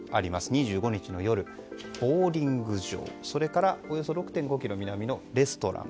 ２５日の夜、ボウリング場それからおよそ６．５ｋｍ南のレストラン。